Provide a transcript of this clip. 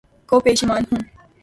کو پشیماں ہوں